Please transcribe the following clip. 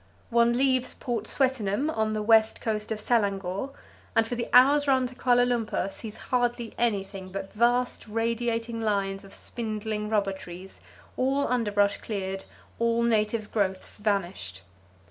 One leaves Port Swettenham on the west coast of Selangor, and for the hour's run to Kuala Lumpur sees hardly anything but vast radiating lines of spindling rubber trees, all underbrush cleared, all native growths vanished.